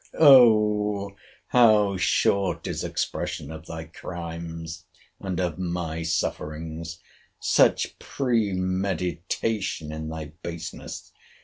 —— O how short is expression of thy crimes, and of my sufferings! Such premeditation is thy baseness!